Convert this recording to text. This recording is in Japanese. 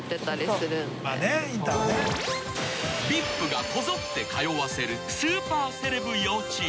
［ＶＩＰがこぞって通わせるスーパーセレブ幼稚園］